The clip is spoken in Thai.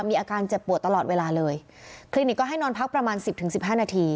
มีอาการเจ็บปวดตลอดเวลาเลยคลินิกก็ให้นอนพักประมาณสิบถึงสิบห้านาที